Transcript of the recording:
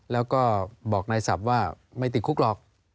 แล้วก็บอกนายศัพท์ว่าไม่ติดคุกหรอก